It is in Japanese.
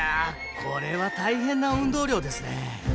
これは大変な運動量ですね